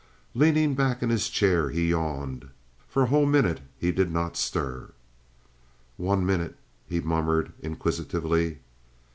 Leaning back in his chair, he yawned. For a whole minute he did not stir. "One minute?" he murmured inquisitively.